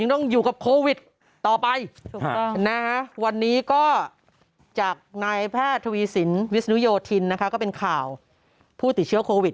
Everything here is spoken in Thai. ต้องอยู่กับโควิดต่อไปวันนี้ก็จากนายแพทย์ทวีสินวิศนุโยธินนะคะก็เป็นข่าวผู้ติดเชื้อโควิด